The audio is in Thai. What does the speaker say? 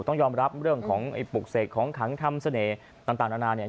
ต้องยอมรับเรื่องของไอ้ปลูกเสกของขังทำเสน่ห์ต่างนานาเนี่ย